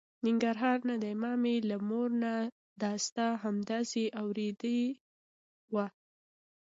ننګرهار نه دی، ما مې له مور نه دا ستا همداسې اورېدې وه.